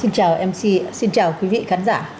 xin chào mc xin chào quý vị khán giả